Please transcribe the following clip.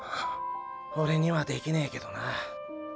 オレにはできねェけどな。